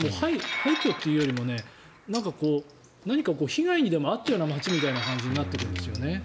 廃虚というよりも何か被害にでも遭ったような町みたいな感じになっていくんですよね。